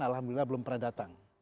alhamdulillah belum pernah datang